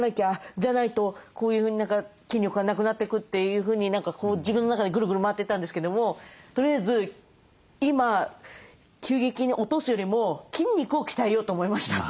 じゃないとこういうふうに筋力がなくなっていく」というふうに自分の中でグルグル回ってたんですけどもとりあえず今急激に落とすよりも筋肉を鍛えようと思いました。